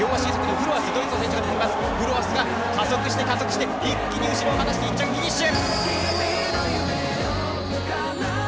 フロアスが加速して加速して一気に後ろを離して１着フィニッシュ！